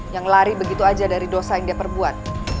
yang lari begitu aja dari dosa yang dia perbuat